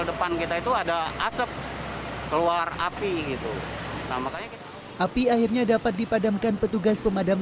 depan kita itu ada asap keluar api itu sama kayak api akhirnya dapat dipadamkan petugas pemadam